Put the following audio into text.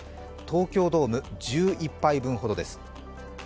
東京ドーム１１杯分ほどです。